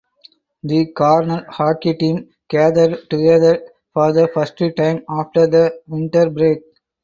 The Cornell hockey team gathered together for the first time after the winter break.